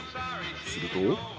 すると。